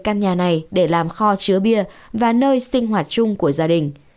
căn nhà này để làm kho chứa bia và nơi sinh hoạt chung của gia đình